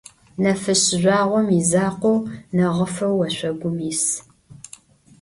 Nefışs zjüağom yizakhou, neğıfeu voşsogum yis.